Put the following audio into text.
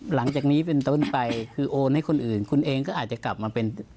หลังจากนี้เป็นต้นไปคือโอนให้คนอื่นคุณเองก็อาจจะกลับมาเป็น